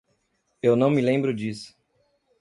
Eu não me lembro disso.